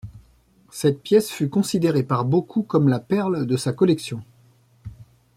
Cette pièce fut considérée par beaucoup comme la perle de sa collection.